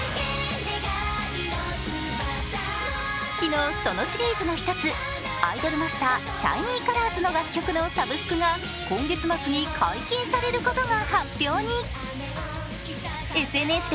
昨日、そのシリーズの１つ「アイドルマスターシャイニーカラーズ」の楽曲のサブスクが今月末に解禁されることが発表に。